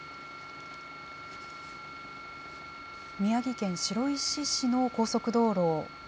宮城県白石市の高速道路。